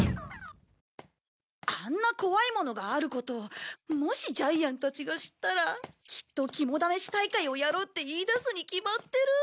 あんな怖いものがあることをもしジャイアンたちが知ったらきっと肝試し大会をやろうって言い出すに決まってる。